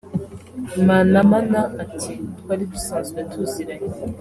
Manamana ati “ Twari dusanzwe tuziranye